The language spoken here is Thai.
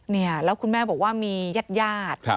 เนี่ยแล้วคุณแม่บอกว่ามีญาติญาติ